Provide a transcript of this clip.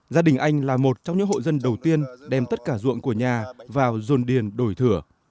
gia đình anh là một trong những hộ dân đầu tiên đem tất cả ruộng của nhà vào dồn điền đổi thửa